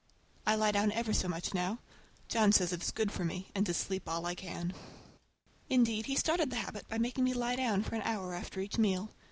I lie down ever so much now. John says it is good for me, and to sleep all I can. Indeed, he started the habit by making me lie down for an hour after each meal.